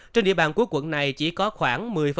trên địa bàn của quận này chỉ có khoảng